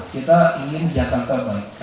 kita ingin jakarta baik